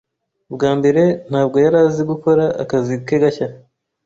Ubwa mbere ntabwo yari azi gukora akazi ke gashya.